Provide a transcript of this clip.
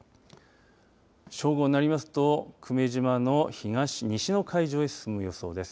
正午になりますと久米島の西の海上へ進む予想です。